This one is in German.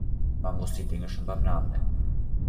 Man muss die Dinge schon beim Namen nennen.